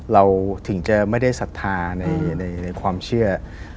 เราถึงจะไม่ได้ศรัทธาในความเชื่อ